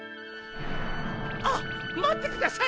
あ待ってください。